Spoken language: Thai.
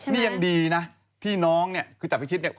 นี่ยังดีนะที่น้องเนี่ย